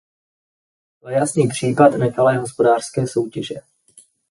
To je jasný případ nekalé hospodářské soutěže.